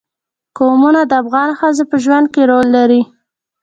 قومونه د افغان ښځو په ژوند کې رول لري.